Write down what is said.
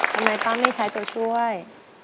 ทำไมป้าไม่ใช้ตัวช่วย